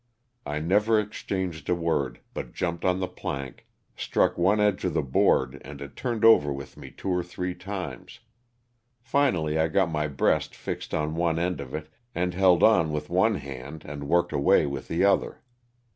I never exchanged a word, but jumped on the plank, struck one edge of the board and it turned over with me two or three times. Finally I got my breast fixed on one end of it and held on with one hand and worked away with the other.